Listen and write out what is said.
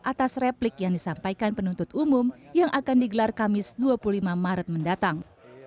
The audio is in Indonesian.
atas replik yang disampaikan penuntut umum yang akan digelar kamis dua puluh lima maret mendatang